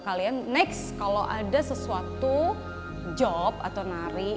kalian next kalau ada sesuatu job atau nari